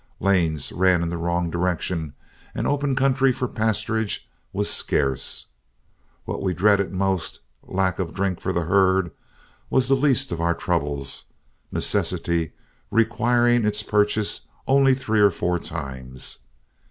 Lanes ran in the wrong direction, and open country for pasturage was scarce. What we dreaded most, lack of drink for the herd, was the least of our troubles, necessity requiring its purchase only three or four times.